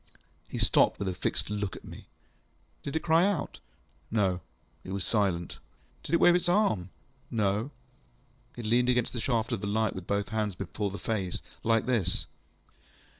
ŌĆØ He stopped, with a fixed look at me. ŌĆ£Did it cry out? ŌĆØ ŌĆ£No. It was silent. ŌĆØ ŌĆ£Did it wave its arm? ŌĆØ ŌĆ£No. It leaned against the shaft of the light, with both hands before the face. Like this.